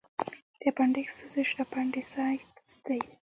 د اپنډکس سوزش اپنډیسایټس دی.